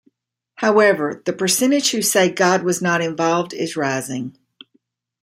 However, the percentage who say God was not involved is rising.